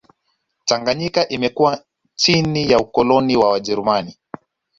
Tanganyika imekuwa chini ya ukoloni wa wajerumani